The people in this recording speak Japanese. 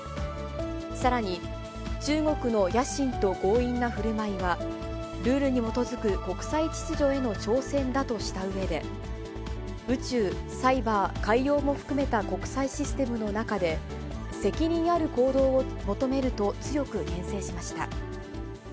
さらに、中国の野心と強引なふるまいは、ルールに基づく国際秩序への挑戦だとしたうえで、宇宙、サイバー、海洋も含めた国際システムの中で、責任ある行動を求めると強くけん制しました。